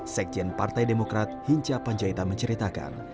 sekjen partai demokrat hinca panjaitan menceritakan